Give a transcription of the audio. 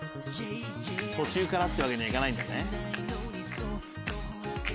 途中からってわけには行かないんだね。